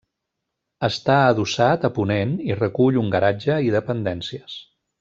Està adossat a ponent i recull un garatge i dependències.